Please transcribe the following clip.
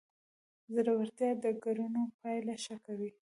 زړورتیا د کړنو پایله ښه کوي.